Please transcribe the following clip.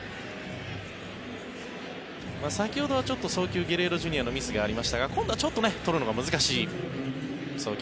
先ほどは、ちょっと送球ゲレーロＪｒ．のミスがありましたが今度はちょっととるのが難し送球。